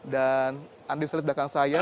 dan andai selesai belakang saya